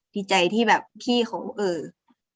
ดีใจที่แบบพี่เขาเออ